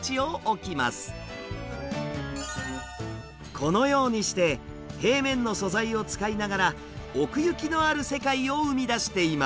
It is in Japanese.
このようにして平面の素材を使いながら奥行きのある世界を生み出しています。